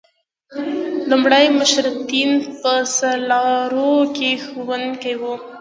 لومړي مشروطیت په سرلارو کې ښوونکي وو.